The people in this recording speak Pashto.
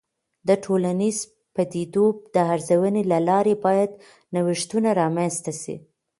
د ټولنیزو پدیدو د ارزونې له لارې باید نوښتونه رامنځته سي.